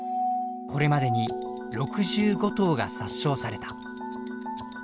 これまでに６５頭が殺傷された。